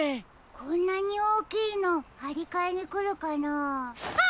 こんなにおおきいのはりかえにくるかなあ。